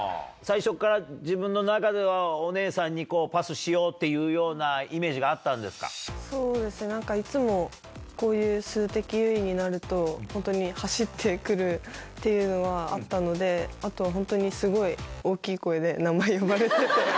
最初から自分の中ではお姉さんにパスしようっていうようなイそうですね、なんかいつも、こういう数的優位になると、本当に走ってくるっていうのはあったので、あとは本当にすごい大きい声で名前呼ばれてて。